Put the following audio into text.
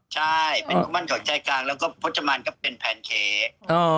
ใช่เป็นคู่มั่นเขาใจกลางแล้วก็พจมันก็เป็นแพนเค้ก